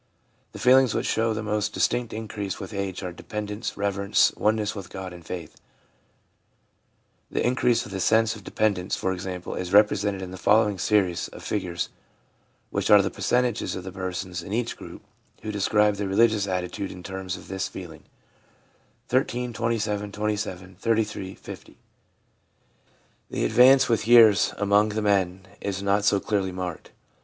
The feelings which show the most distinct increase with age are dependence, reverence, oneness with God, and faith. The increase of the sense of dependence, for example, is represented in the following series of figures, which are the percentages of the persons in each age group who describe their religious attitude in terms of this feeling :— 13 27 27 33 50 The advance with years among the men is not so clearly marked.